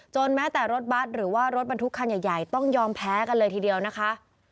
แม้แต่รถบัตรหรือว่ารถบรรทุกคันใหญ่ต้องยอมแพ้กันเลยทีเดียวนะคะ